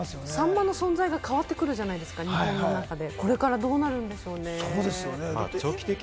サンマの存在が変わってくるじゃないですか、日本の中で。